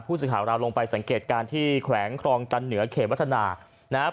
ผู้สิทธิ์ของเราลงไปสังเกตการที่แขวงคลองตันเหนือเขตวัฒนานะครับ